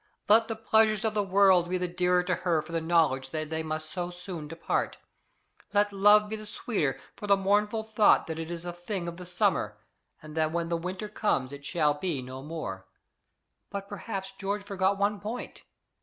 Let the pleasures of the world be the dearer to her for the knowledge that they must so soon depart; let love be the sweeter for the mournful thought that it is a thing of the summer, and that when the winter comes it shall be no more! But perhaps George forgot one point.